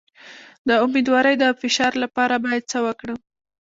د امیدوارۍ د فشار لپاره باید څه وکړم؟